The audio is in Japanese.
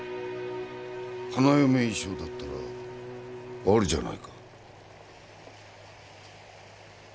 花嫁衣装だったらあるじゃないか。